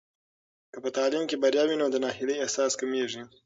که په تعلیم کې بریا وي، نو د ناهیلۍ احساس کمېږي.